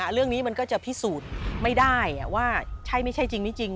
เรื่องนี้มันก็จะพิสูจน์ไม่ได้ว่าใช่ไม่ใช่จริงไม่จริง